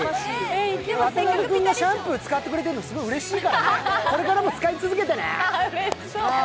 渡辺くんがシャンプー使ってくれてるのうれしいからね、これからも使い続けてね。